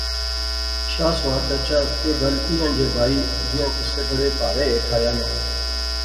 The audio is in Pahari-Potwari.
شاہ سوار چچا ایہہ گل ایہھاں جئے بائی جیاں کُسے بڑے پہارے ہیٹھ آیا ناں